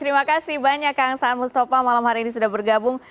terima kasih banyak kang saan mustafa malam hari ini sudah bergabung